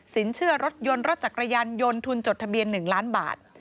สิ้นเชื่อลดยรสจักรยันท์ยนท์ทุนจดทะเบียน๑ล้านบาท